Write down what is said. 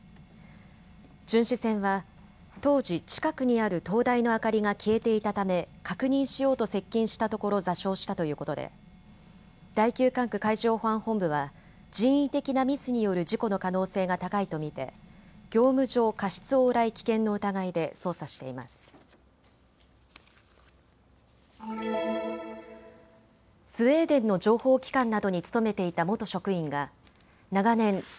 巡視船は当時、近くにある灯台の明かりが消えていたため確認しようと接近したところ座礁したということで第９管区海上保安本部は人為的なミスによる事故の可能性が高いと見て業務上過失往来危険の疑いで捜査しています。